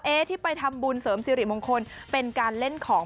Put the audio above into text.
ที่ไปทำบุญเสริมสิริมงคลเป็นการเล่นของ